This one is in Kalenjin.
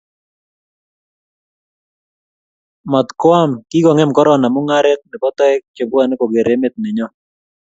mat ko am kikongem korona mugaret nebo taek chebwane koker emet nenyon